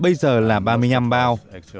bây giờ là ba mươi năm bao